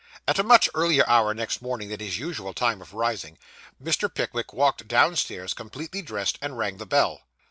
At a much earlier hour next morning than his usual time of rising, Mr. Pickwick walked downstairs completely dressed, and rang the bell.